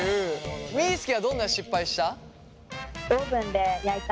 みーすけはどんな失敗した？